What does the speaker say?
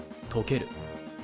とける。